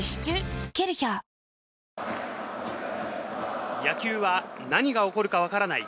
ですから、野球は何が起こるかわからない。